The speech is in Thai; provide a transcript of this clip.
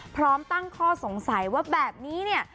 พร้อมตั้งข้อสงสัยว่าแบบนี้เนี่ย